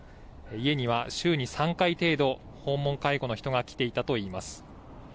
家には週に３回程度、訪問介護の人が来ていたといいます。